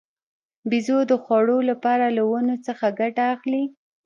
بیزو د خوړو لپاره له ونو څخه ګټه اخلي.